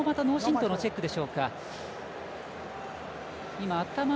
ここも脳震とうのチェックでしょうか。